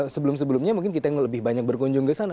sebelum sebelumnya mungkin kita yang lebih banyak berkunjung ke sana